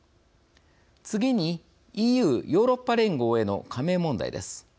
次に、ＥＵ＝ヨーロッパ連合への加盟問題です。